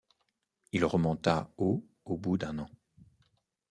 Il remonta au au bout d’un an.